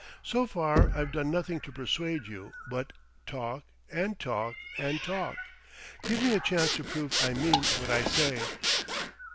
So far I've done nothing to persuade you but talk and talk and talk! Give me a chance to prove I mean what I say."